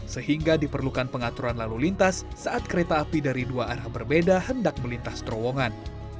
sehingga diperlukan pengaturan lalu lintas saat kereta api dari dua arah ke dua arah